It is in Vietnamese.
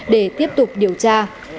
để tiếp tục điều tra